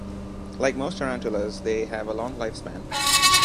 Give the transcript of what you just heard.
Like most tarantulas, they have a long lifespan.